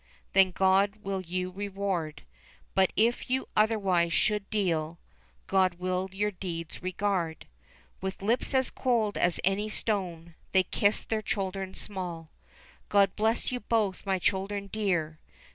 Then God will you reward ; But if you otherwise should deal, God will your deeds regard." With lips as cold as any stone, They kissed their children small : "God bless you both, my children dear!"